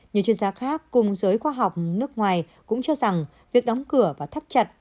nhiều chuyên gia khác cùng giới khoa học nước ngoài cũng cho rằng việc đóng cửa và thắt chặt